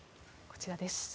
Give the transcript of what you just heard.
こちらです。